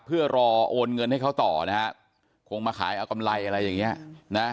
เพื่อรอโอนเงินให้เขาต่อนะฮะคงมาขายเอากำไรอะไรอย่างเงี้ยนะ